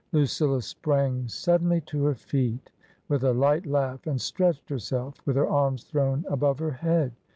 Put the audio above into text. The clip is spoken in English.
Lucilla sprang suddenly to her feet with a light laugh and stretched herself, with her arms thrown above her head.